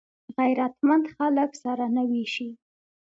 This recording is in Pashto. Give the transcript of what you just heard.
غیرتمند خلک سره نه وېشي